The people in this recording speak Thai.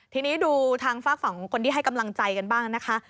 ทีนี้ดูทางฝากฝั่งของคนที่ให้กำลังใจกันบ้างนะคะ